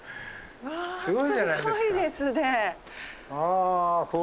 うわすごいですね。